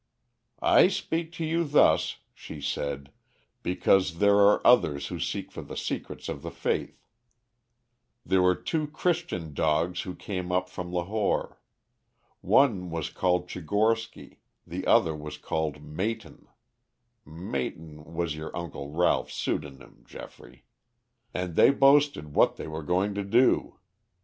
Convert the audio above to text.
"'I speak to you thus,' she said, 'because there are others who seek for the secrets of the faith. There were two Christian dogs who came up from Lahore. One was called Tchigorsky, the other was called Mayton' (Mayton was your uncle Ralph's pseudonym, Geoffrey), 'and they boasted what they were going to do.